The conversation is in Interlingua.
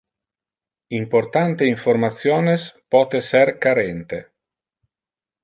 Importante informationes pote ser carente.